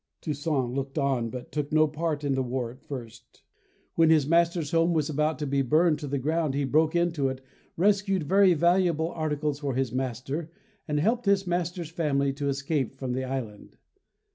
Toussaint looked on, but took no part in the war at first. When his master's home was about to be burned to the ground he broke into it, rescued very valuable articles for his master, and helped his master's family to escape from the island.